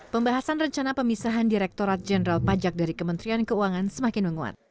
pembahasan rencana pemisahan direkturat jenderal pajak dari kementerian keuangan semakin menguat